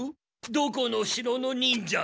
どこの城の忍者だ？